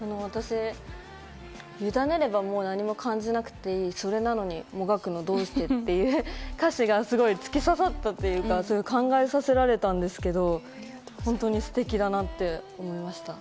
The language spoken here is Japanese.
私、委ねればもう何も感じなくていい、それなのにもがくのどうしてっていう歌詞がすごくつき刺さったというか、考えさせられたんですけど、本当にステキだなって思いました。